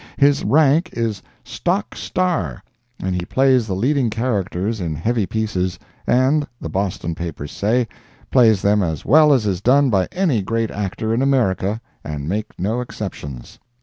His rank is "Stock Star," and he plays the leading characters in heavy pieces, and, the Boston papers say, plays them as well as is done by any great actor in America, and make no exceptions.